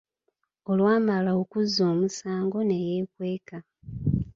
Olwamala okuzza omusango ne yeekweka.